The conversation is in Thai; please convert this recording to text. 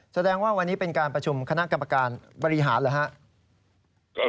แสดงว่าวันนี้เป็นการประชุมคณะกรรมการบริหารเหรอครับ